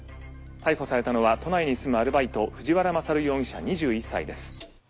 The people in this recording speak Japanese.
逮捕されたのは都内に住むアルバイト藤原優容疑者２１歳です。